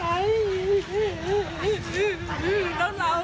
ทำไมช่วยมันจังแท้